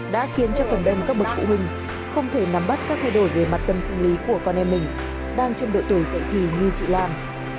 đã khiến cho phần đông các bậc phụ huynh không thể nắm bắt các thay đổi về mặt tâm sinh lý của con em mình đang trong độ tuổi dạy thì như chị lan